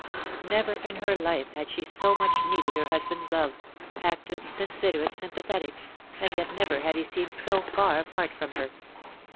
Never in her life had she so much needed her husband's love active, considerate, sympathetic and yet never had he seemed so far apart from her.